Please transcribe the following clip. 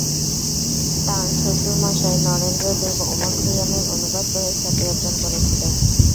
তাঁর শ্বশুর মশাই নরেন্দ্র দেব ওমর খৈয়ামের অনুবাদ করে খ্যাতি অর্জন করেছিলেন।